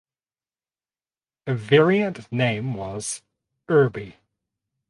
A variant name was "Irby".